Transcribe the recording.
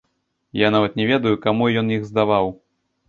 Я нават не ведаю, каму ён іх здаваў.